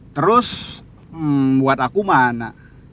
terus buat aku mana